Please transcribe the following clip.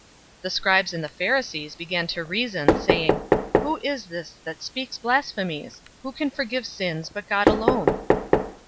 005:021 The scribes and the Pharisees began to reason, saying, "Who is this that speaks blasphemies? Who can forgive sins, but God alone?"